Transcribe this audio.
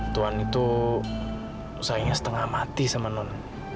tuhan itu sayangnya setengah mati sama non